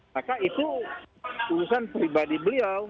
maka itu urusan pribadi beliau